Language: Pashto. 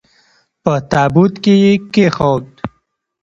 په تابوت کې یې کښېښود.